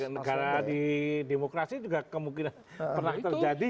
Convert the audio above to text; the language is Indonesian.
negara di demokrasi juga kemungkinan pernah terjadi